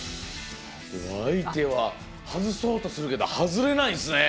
相手は外そうとするけど外れないんですね。